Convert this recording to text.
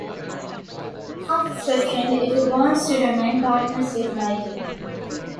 Marcus questions if he wants to remain partners with Mike.